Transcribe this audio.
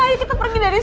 ayo kita pergi dari sini